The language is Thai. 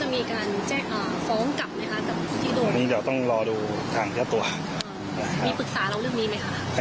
มีปรึกษาเร่งเรื่องนี้มั้ยค่ะ